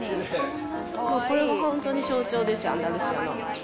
これが本当に象徴ですよ、アンダルシアの。